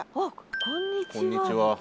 こんにちは。